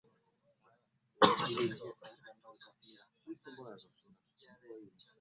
Ajabu akiwa uwanjani na maono na kasi vilivyovutia mashabiki wengi